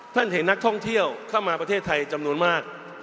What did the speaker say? เห็นนักท่องเที่ยวเข้ามาประเทศไทยจำนวนมาก